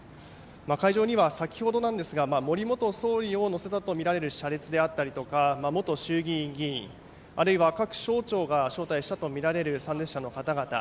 会場には先ほど森元総理を乗せたとみられる車列であるとか元衆議院議員、あるいは各省庁が招待したとみられる参列者の方々